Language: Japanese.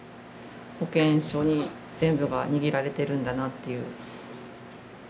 保健所に全部が握られてるんだなっていう。